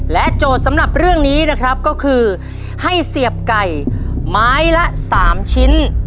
โจทย์สำหรับเรื่องนี้นะครับก็คือให้เสียบไก่ไม้ละ๓ชิ้น